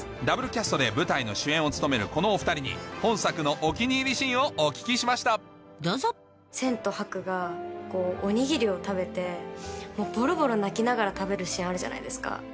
ダブルキャストで舞台の主演を務めるこのお２人に本作のお気に入りシーンをお聞きしましたどうぞ千とハクがおにぎりを食べてボロボロ泣きながら食べるシーンあるじゃないですか。